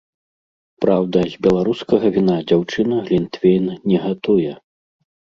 Праўда, з беларускага віна дзяўчына глінтвейн не гатуе.